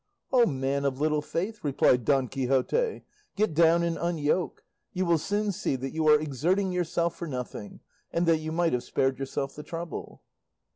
"O man of little faith," replied Don Quixote, "get down and unyoke; you will soon see that you are exerting yourself for nothing, and that you might have spared yourself the trouble."